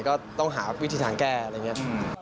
ก็ต้องหาวิธีทางแก้อะไรอย่างนี้